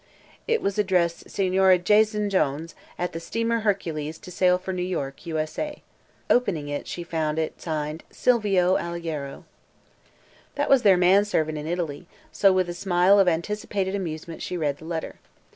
It was addressed: "Sig. Jaysn Jones, at the Steamer Hercules to sail for New York, U.S.A." Opening it, she found it signed: "Silvio Alleghero." That was their man servant in Italy, so with a smile of anticipated amusement she read the letter.